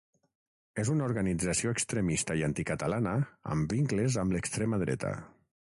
És una organització extremista i anticatalana amb vincles amb l’extrema dreta.